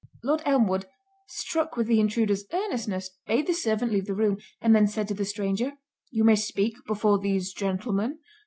Lord Elmwood, struck with the intruder's earnestness, bade the servant leave the room; and then said to the stranger, "You may speak before these gentlemen."